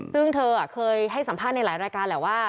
ซึ่งเธอเคยให้สัมภาษณ์ในหลายรายการแหละว่า